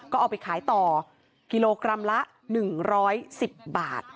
ก็เอาไปขายต่อกิโลกรัมละ๑๑๐บาท